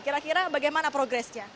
kira kira bagaimana progresnya